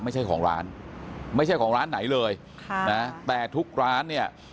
ไม่ใช่ของร้านไม่ใช่ของร้านไหนเลยค่ะนะแต่ทุกร้านเนี่ย